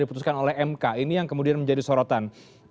diputuskan oleh mk ini yang kemudian menjadi sorotan